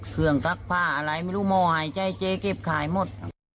ซักผ้าอะไรไม่รู้หมอหายใจเจ๊เก็บขายหมด